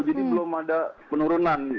jadi belum ada penurunan